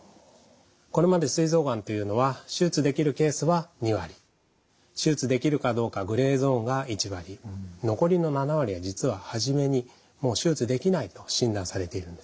これまですい臓がんというのは手術できるケースは２割手術できるかどうかグレーゾーンが１割残りの７割は実は初めにもう手術できないと診断されているんですね。